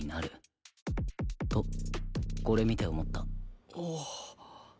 とこれ見て思った。